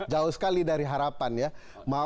jauh sekali dari harapan ya